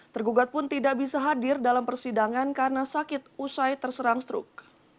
tergugat pun tidak bisa hadir dalam persidangan karena sakit usai terserang struk